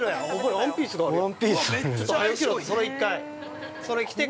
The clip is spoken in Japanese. ワンピースがあるやん。